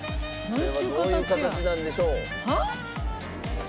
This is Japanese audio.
これはどういう形なんでしょう？はあ？